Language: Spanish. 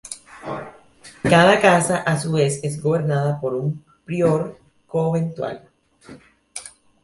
Cada casa a su vez es gobernada por un prior conventual.